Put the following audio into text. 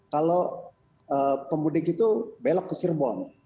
kalau pemudik itu belok ke cirebon